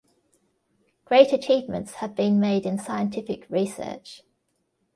Great achievements have been made in scientific research.